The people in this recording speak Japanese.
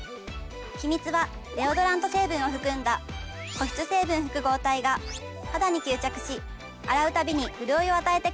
秘密はデオドラント成分を含んだ保湿成分複合体が肌に吸着し洗うたびに潤いを与えてくれるんです。